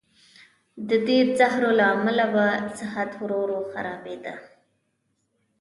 د دې زهرو له امله به صحت ورو ورو خرابېده.